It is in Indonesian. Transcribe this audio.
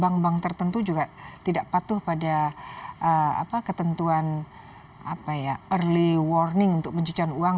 bank bank tertentu juga tidak patuh pada ketentuan early warning untuk pencucian uang